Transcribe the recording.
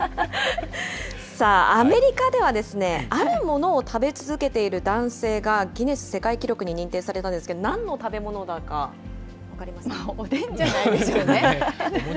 さあ、アメリカでは、あるものを食べ続けている男性が、ギネス世界記録に認定されたんですけど、なんの食べ物だか分かりますおでんじゃないでしょうね。